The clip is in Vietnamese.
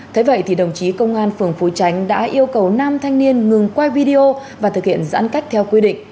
thế vậy thì đồng chí công an phường phú tránh đã yêu cầu nam thanh niên ngừng quay video và thực hiện giãn cách theo quy định